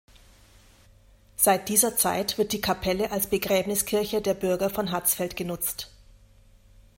Seit dieser Zeit wird die Kapelle als Begräbniskirche der Bürger von Hatzfeld genutzt.